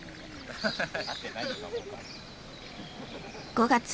５月。